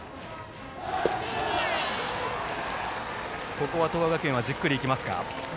ここは東亜学園はじっくり行きますか。